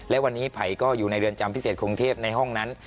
และวันนี้ไผ่ก็อยู่ในเรือนจำพิเศษกรุงเทพในห้องนั้น